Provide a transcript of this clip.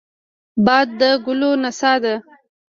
باد د ګلو نڅا ده